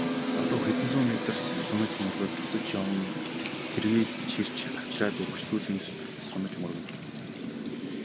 Залуу хэдэн зуун метр сунаж мөргөөд буцаж яван тэргээ чирч авчраад үргэлжлүүлэн сунаж мөргөнө.